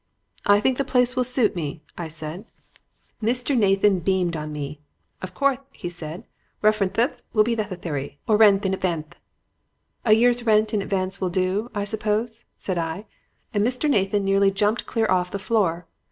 "'I think the place will suit me,' I said. "Mr. Nathan beamed on me. 'Of courth,' he said, 'referentheth will be nethethary, or rent in advanthe.' "'A year's rent in advance will do, I suppose?' said I; and Mr. Nathan nearly jumped clear off the floor.